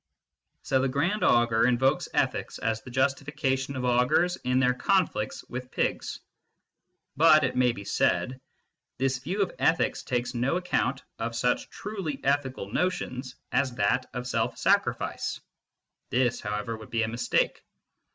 So the Grand Augur invokes ethics as the justification of Augurs in their conflicts with pigs. But, it may be said, this view of ethics takes no account of such truly ethical notions as that of self sacrifice. This, however, would be a mistake.